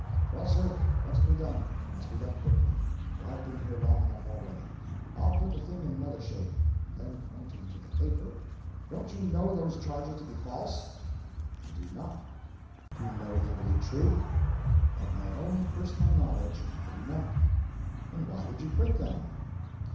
"Well, sir, what's to be done must be done quickly, for I've been here long enough already. I'll put the thing in another shape (and then pointing to the paper); don't you know those charges to be false?" "I do not." "Do you know them to be true?" "Of my own personal knowledge I do not." "Why then did you print them?"